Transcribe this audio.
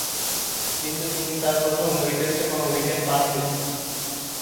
কিন্তু তিনি তার প্রথম দুই টেস্টে কোন উইকেট পাননি।